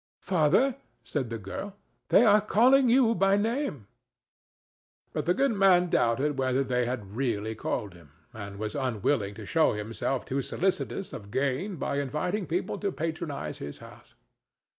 "Father," said the girl, "they are calling you by name." But the good man doubted whether they had really called him, and was unwilling to show himself too solicitous of gain by inviting people to patronize his house.